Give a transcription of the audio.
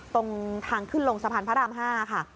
ตรงทางขึ้นลงสะพานพระราม๕ค่ะ